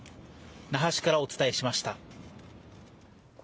那覇市からお伝えしました。